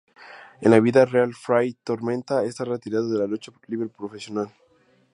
En la vida real Fray Tormenta está retirado de la lucha libre profesional.